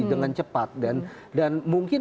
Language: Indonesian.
dengan cepat dan mungkin